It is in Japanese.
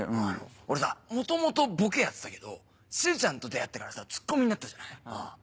俺さ元々ボケやってたけどしずちゃんと出会ってからさツッコミになったじゃない？